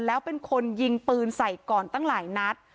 แล้วเป็นคนยิงปืนใส่ก่อนตั้งหลายนัด